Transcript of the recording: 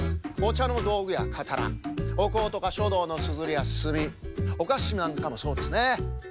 おちゃのどうぐやかたなおこうとかしょどうのすずりやすみおかしなんかもそうですね。